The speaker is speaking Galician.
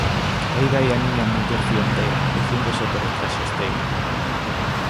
Aí vai a miña muller fiandeira, lucíndose por entre a xesteira.